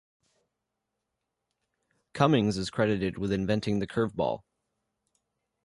Cummings is credited with inventing the curveball.